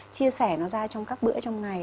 chia sẻ nó ra trong các bữa trong ngày